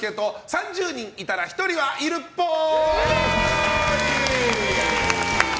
３０人いたら１人はいるっぽい！